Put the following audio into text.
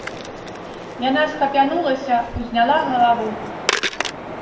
Яна схапянулася, узняла галаву.